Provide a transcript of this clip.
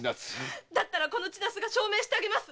だったらこの千奈津が証明してあげます！